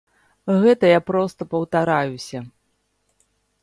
Гэта я проста паўтараюся.